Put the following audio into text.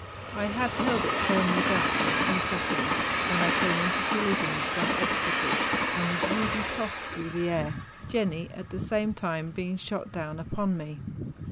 I had held it firmly thus for a few seconds, when I came into collision with some obstacle, and was rudely tossed through the air, Jenni at the same time being shot down upon me.